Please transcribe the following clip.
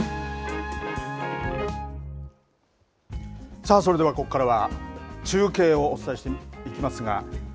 さあ、それではここからは中継をお伝えしていきますが。